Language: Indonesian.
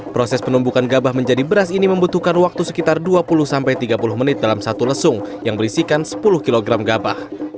proses penumbukan gabah menjadi beras ini membutuhkan waktu sekitar dua puluh tiga puluh menit dalam satu lesung yang berisikan sepuluh kg gabah